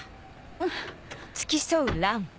うん。